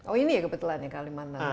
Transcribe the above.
oh ini ya kebetulan ya kalimantan